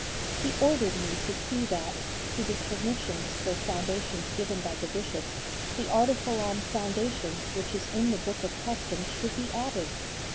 He ordered me to see that, to the permissions for foundations given by the Bishops, the article on "Foundations" which is in the Book of Customs should be added.